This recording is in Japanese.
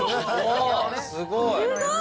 すごい。